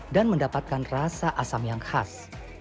dan mendapatkan rasa asam yang khas